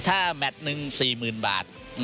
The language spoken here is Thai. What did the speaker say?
ถ้าแมทหนึ่ง๔๐๐๐บาท